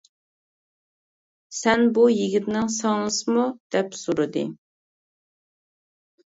سەن بۇ يىگىتنىڭ سىڭلىسىمۇ؟ دەپ سورىدى.